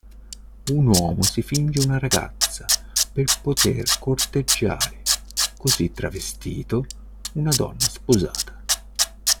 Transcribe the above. Un uomo si finge una ragazza per poter corteggiare, così travestito, una donna sposata.